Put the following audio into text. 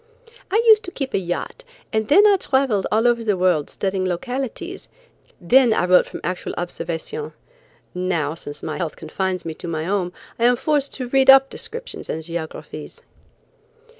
"I used to keep a yacht, and then I traveled all over the world studying localities; then I wrote from actual observation. Now, since my health confines me to my home, I am forced to read up descriptions and geographies."